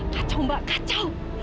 kacau mbak kacau